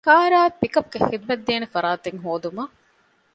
ކާރާއި ޕިކަޕްގެ ޚިދުމަތްދޭނެ ފަރާތެއް ހޯދުމަށް